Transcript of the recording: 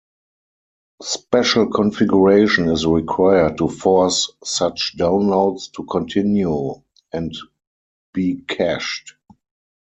Special configuration is required to force such downloads to continue and be cached.